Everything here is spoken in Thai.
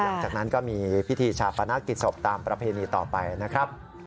หลังจากนั้นก็มีพิธีชาปนกิจศพตามประเพณีต่อไปนะครับ